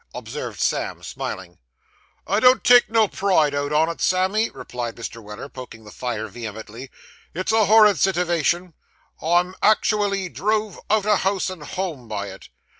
observed Sam, smiling. 'I don't take no pride out on it, Sammy,' replied Mr. Weller, poking the fire vehemently, 'it's a horrid sitiwation. I'm actiwally drove out o' house and home by it.